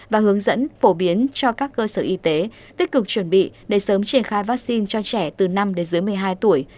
và hướng dẫn phổ biến cho các cơ sở y tế tích cực chuẩn bị để sớm triển khai vaccine cho trẻ từ năm đến dưới một mươi hai tuổi